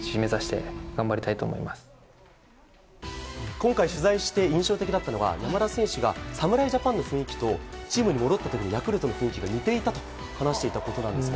今回、取材して印象的だったのは山田選手が侍ジャパンの雰囲気とチームに戻った時のヤクルトの雰囲気が似ていたと話していたことなんですね。